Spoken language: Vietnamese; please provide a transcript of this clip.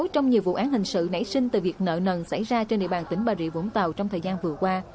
trong nhiều vụ án hình sự nảy sinh từ việc nợ nần xảy ra trên địa bàn tỉnh bà rịa vũng tàu trong thời gian vừa qua